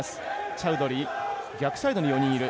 チャウドリー逆サイドに４人いる。